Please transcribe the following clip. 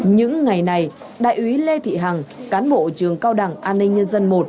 những ngày này đại úy lê thị hằng cán bộ trường cao đẳng an ninh nhân dân một